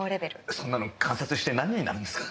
そんなの観察してなんになるんですか。